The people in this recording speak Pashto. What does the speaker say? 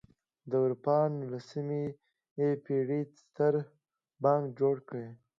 د اروپا د نولسمې پېړۍ ستر بانک جوړ کړ.